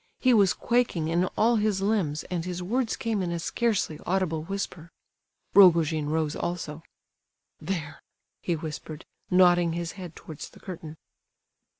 He was quaking in all his limbs, and his words came in a scarcely audible whisper. Rogojin rose also. "There," he whispered, nodding his head towards the curtain.